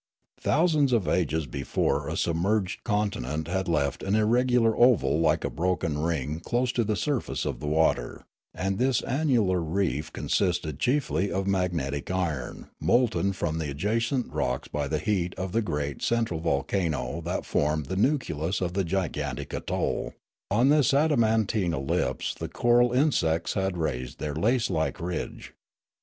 Thousands of ages before a submerged continent had left an irregular oval like a broken ring close to the surface of the water; and this annular reef consisted chiefly of magnetic iron molten from the adjacent rocks by the heat of the great central volcano that formed the nucleus of the gigantic atoll ; on this adamantine ellipse the coral insects had raised their lace like ridge.